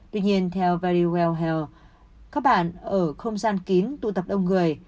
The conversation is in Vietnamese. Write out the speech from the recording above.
tuy nhiên theo very well health các bạn ở không gian kín tụ tập đông người